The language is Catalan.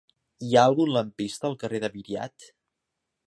Hi ha algun lampista al carrer de Viriat?